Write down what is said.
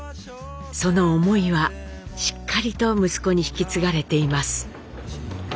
その思いはしっかりと息子に引き継がれています。